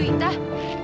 naik kuda deh